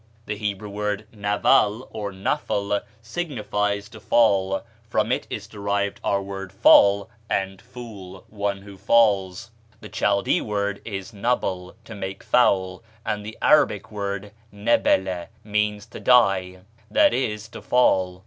The Hebrew word naval or nafal signifies to fall; from it is derived our word fall and fool (one who falls); the Chaldee word is nabal, to make foul, and the Arabic word nabala means to die, that is, to fall.